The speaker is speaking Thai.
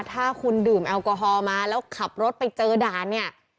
ถ้าคุณดื่มแอลกอฮอล์มาแล้วขับรถไปเจอด่านเนี่ย